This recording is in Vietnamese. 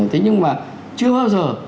thế nhưng mà chưa bao giờ